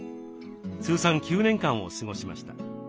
通算９年間を過ごしました。